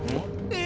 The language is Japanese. え⁉